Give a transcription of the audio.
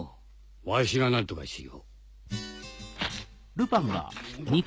わしが何とかしよう。